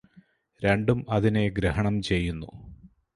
രണ്ടും അതിനെ ഗ്രഹണം ചെയ്യുന്നു